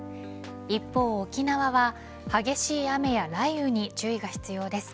一方、沖縄は激しい雨や雷雨に注意が必要です。